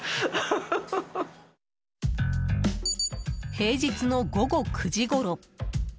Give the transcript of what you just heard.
平日の午後９時ごろ。